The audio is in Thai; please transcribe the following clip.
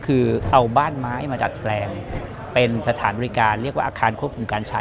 คือเอาบ้านไม้มาดัดแปลงเป็นสถานบริการเรียกว่าอาคารควบคุมการใช้